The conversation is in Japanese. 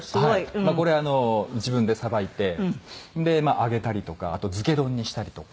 まあこれあの自分でさばいて揚げたりとかあと漬け丼にしたりとか。